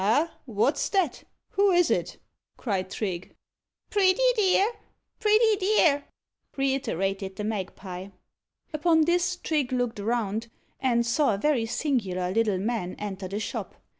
"Ah! what's that? Who is it?" cried Trigge. "Pretty dear! pretty dear!" reiterated the magpie. Upon this, Trigge looked around, and saw a very singular little man enter the shop.